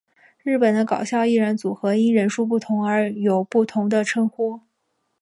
日本的搞笑艺人组合因人数不同而有不同的称呼。